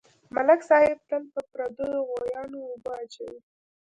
ملک صاحب تل په پردیو غویانواوبه اچوي.